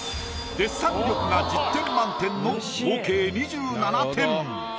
デッサン力が１０点満点の合計２７点。